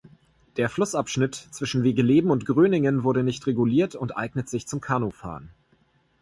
Der Flussabschnitt zwischen Wegeleben und Gröningen wurde nicht reguliert und eignet sich zum Kanufahren.